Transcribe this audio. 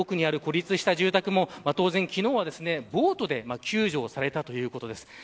奥にある孤立した住宅も当然、昨日はボートで救助されたということです。